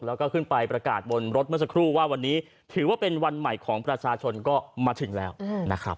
แล้วก็ขึ้นไปประกาศบนรถเมื่อสักครู่ว่าวันนี้ถือว่าเป็นวันใหม่ของประชาชนก็มาถึงแล้วนะครับ